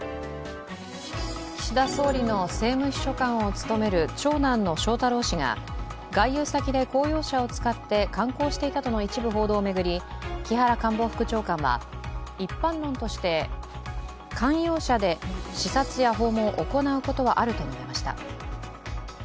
岸田総理の政務秘書官を務める長男の翔太郎氏が外遊先で公用車を使って観光していたとの一部報道を巡り木原官房副長官は、一般論として官用車で視察や訪問を行うことはあると述べました。